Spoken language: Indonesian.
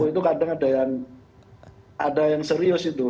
itu kadang ada yang serius itu